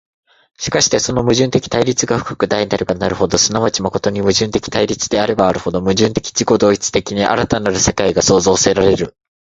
しかしてその矛盾的対立が深く大なればなるほど、即ち真に矛盾的対立であればあるほど、矛盾的自己同一的に新たなる世界が創造せられる。